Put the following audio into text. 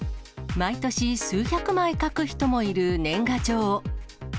毎年、数百枚書く人もいる年賀状。